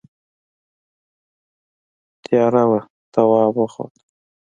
تیاره وه تواب وخوت.